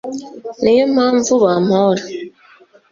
Ni yo mpamvu bampora